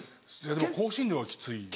でも香辛料はきついです。